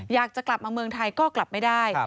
อยากจะกลับมาเมืองไทยก็กลับไม่ได้